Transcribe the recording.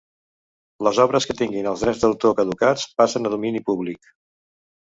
Les obres que tinguin els drets d'autor caducats passen a domini públic